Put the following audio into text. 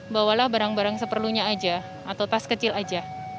bawalah barang barang seperlunya aja atau tas kecil aja